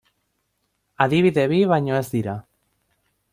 Adibide bi baino ez dira.